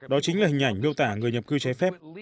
đó chính là hình ảnh miêu tả người nhập cư trái phép